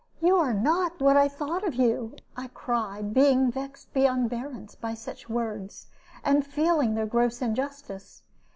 "You are not what I thought of you," I cried, being vexed beyond bearance by such words, and feeling their gross injustice.